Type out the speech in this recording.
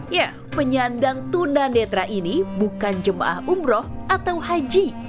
ya penyandang tunanetra ini bukan jemaah umroh atau haji